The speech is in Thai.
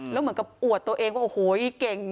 แล้วเหมือนกับอวดตัวเองว่าโอ้โหเก่ง